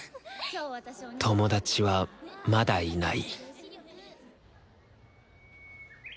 友達はまだいない